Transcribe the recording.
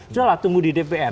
sudahlah tumbuh di dpr